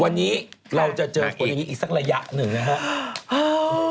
วันนี้เราจะเจอฝนอีกสักระยะหนึ่งนะคะ